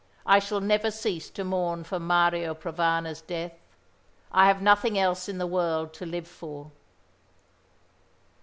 "I shall never cease to mourn for Mario Provana's death. I have nothing else in the world to live for."